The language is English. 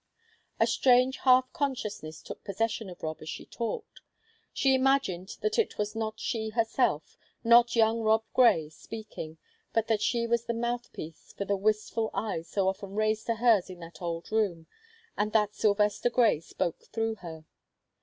A strange half consciousness took possession of Rob as she talked she imagined that it was not she herself, not young Rob Grey speaking, but that she was the mouth piece for the wistful eyes so often raised to hers in that old room, and that Sylvester Grey spoke through her.